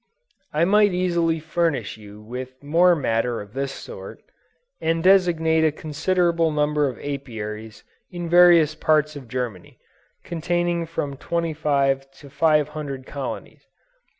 I might easily furnish you with more matter of this sort, and designate a considerable number of Apiaries in various parts of Germany, containing from 25 to 500 colonies.